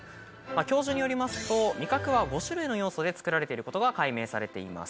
教授によりますと味覚は５種類の要素でつくられていることが解明されています。